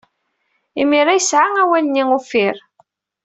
Imir-a, yesɛa awal-nni uffir.